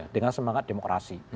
dengan semangat demokrasi